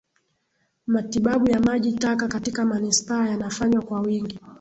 Matibabu ya maji taka katika manispaa yanafanywa kwa wingi